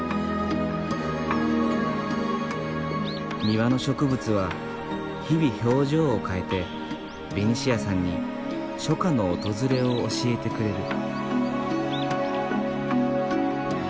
庭の植物は日々表情を変えてベニシアさんに初夏の訪れを教えてくれる。